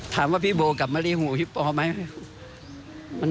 ถามว่าพี่โบกับมะลิห่วงพี่ปอไหม